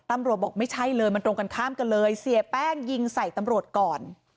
บอกไม่ใช่เลยมันตรงกันข้ามกันเลยเสียแป้งยิงใส่ตำรวจก่อน